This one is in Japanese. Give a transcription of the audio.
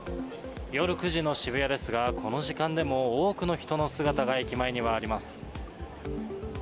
夜９時の渋谷ですが、この時間でも多くの人の姿が駅前にはあります。